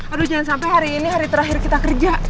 aduh jangan sampai hari ini hari terakhir kita kerja